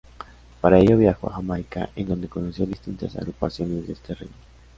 Para ello viajó a Jamaica, en donde conoció distintas agrupaciones de este ritmo.